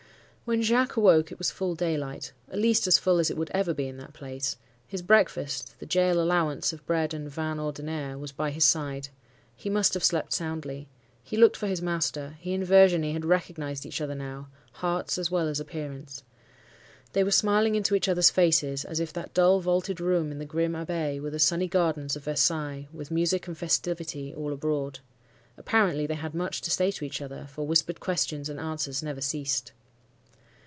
"When Jacques awoke it was full daylight—at least as full as it would ever be in that place. His breakfast—the gaol allowance of bread and vin ordinaire—was by his side. He must have slept soundly. He looked for his master. He and Virginie had recognized each other now,—hearts, as well as appearance. They were smiling into each other's faces, as if that dull, vaulted room in the grim Abbaye were the sunny gardens of Versailles, with music and festivity all abroad. Apparently they had much to say to each other; for whispered questions and answers never ceased.